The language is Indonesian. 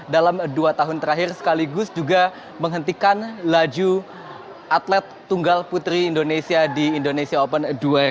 dalam dua tahun terakhir sekaligus juga menghentikan laju atlet tunggal putri indonesia di indonesia open dua ribu dua puluh